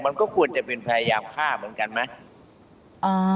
มันก็ควรจะเป็นพยายามฆ่าเหมือนกันไหม